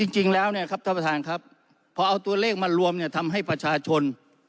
จริงแล้วเนี่ยครับท่านประธานครับพอเอาตัวเลขมารวมเนี่ยทำให้ประชาชน